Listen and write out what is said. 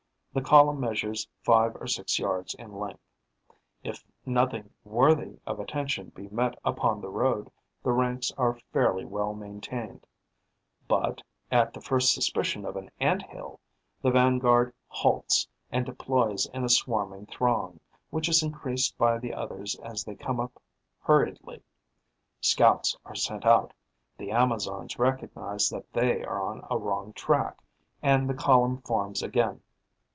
The column measures five or six yards in length. If nothing worthy of attention be met upon the road, the ranks are fairly well maintained; but, at the first suspicion of an Ant hill, the vanguard halts and deploys in a swarming throng, which is increased by the others as they come up hurriedly. Scouts are sent out; the Amazons recognize that they are on a wrong track; and the column forms again.